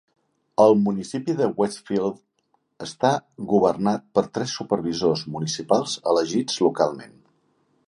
El municipi de Westfield està governat per tres supervisors municipals elegits localment.